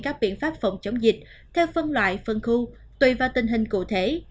các biện pháp phòng chống dịch theo phân loại phân khu tùy vào tình hình cụ thể